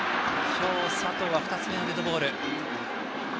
佐藤は今日２つ目のデッドボール。